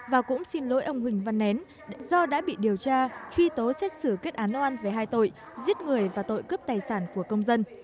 và cũng xin lỗi ông huỳnh văn nén do đã bị điều tra truy tố xét xử kết án oan về hai tội giết người và tội cướp tài sản của công dân